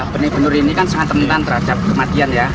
benih benih ini sangat teman teman terhadap kematian